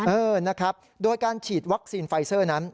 เออนะครับโดยการฉีดวัคซีนไฟเซอร์นั้น